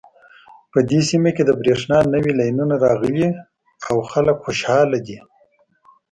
په دې سیمه کې د بریښنا نوې لینونه راغلي او خلک خوشحاله دي